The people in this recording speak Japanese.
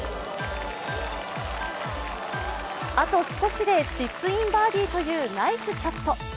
あと少しでチップインバーディーというナイスショット。